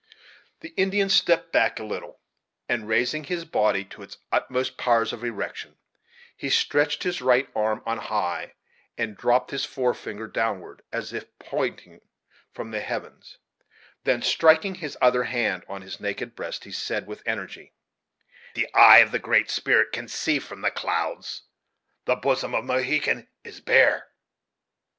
The Indian stepped back a little, and, raising his body to its utmost powers of erection, he stretched his right arm on high, and dropped his forefinger downward, as if pointing from the heavens; then, striking his other band on his naked breast, he said, with energy: "The eye of the Great Spirit can see from the clouds the bosom of Mohegan is bare!"